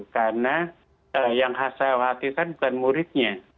karena yang saya khawatirkan bukan muridnya